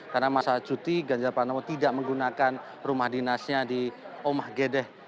karena masa cuti ganjar panowo tidak menggunakan rumah dinasnya di omahgedeh